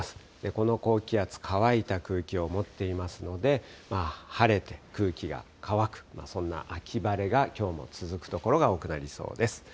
この高気圧、乾いた空気を持っていますので、晴れて空気が乾く、そんな秋晴れがきょうも続く所が多くなりそうです。